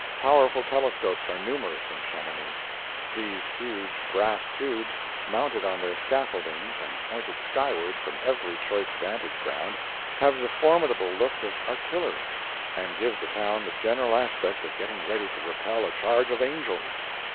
Powerful telescopes are numerous in Chamonix. These huge brass tubes, mounted on their scaffoldings and pointed skyward from every choice vantage ground, have the formidable look of artillery, and give the town the general aspect of getting ready to repel a charge of angels.